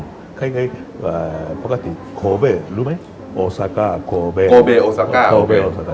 ต่อไปคือโกเบโอสเกาะโกเบโอสเกาะต่อไป